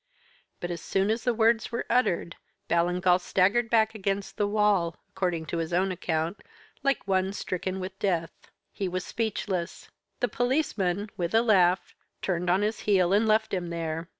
But as soon as the words were uttered Ballingall staggered back against the wall, according to his own account, like one stricken with death. He was speechless. The policeman, with a laugh, turned on his heel and left him there.